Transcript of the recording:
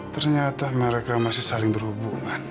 ternyata mereka masih saling berhubungan